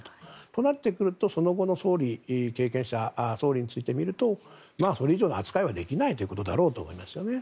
となってくると、その後の総理経験者、総理を見てみるとそれ以上の扱いはできないだろうということだと思いますね。